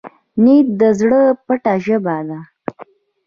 نیت د زړه پټه ژبه ده.